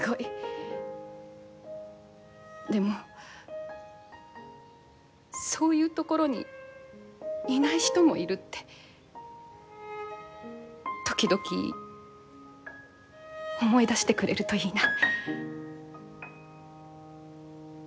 でもそういうところにいない人もいるって時々思い出してくれるといいな。